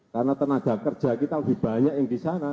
karena tenaga kerja kita lebih banyak yang di sana